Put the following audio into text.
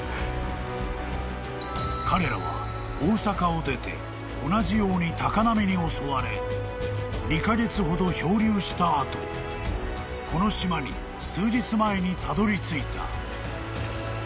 ［彼らは大坂を出て同じように高波に襲われ２カ月ほど漂流した後この島に数日前にたどりついた］